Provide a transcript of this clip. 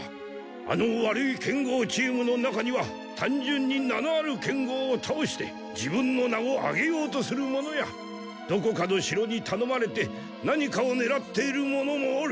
あの悪い剣豪チームの中にはたんじゅんに名のある剣豪をたおして自分の名を上げようとする者やどこかの城にたのまれて何かをねらっている者もおる。